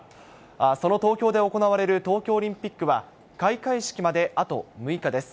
その東京で行われる東京オリンピックは、開会式まであと６日です。